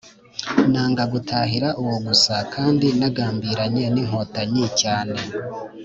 nanga gutahira uwo gusa kandi nagambiranye n'inkotanyi cyane.